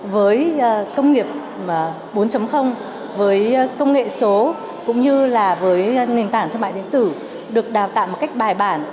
với công nghiệp bốn với công nghệ số cũng như là với nền tảng thương mại điện tử được đào tạo một cách bài bản